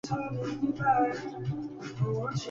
Juega de mediocampista por la derecha o lateral derecho.